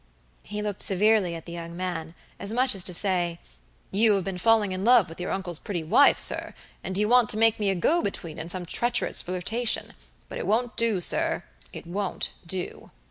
He looked severely at the young man, as much as to say: "You have been falling in love with your uncle's pretty wife, sir, and you want to make me a go between in some treacherous flirtation; but it won't do, sir, it won't do."